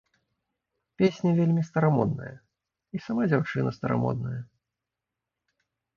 Песня вельмі старамодная і сама дзяўчына старамодная.